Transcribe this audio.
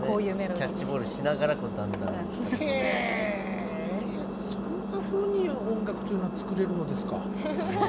キャッチボールしながらだんだん形に。へそんなふうに音楽というのは作れるのですか？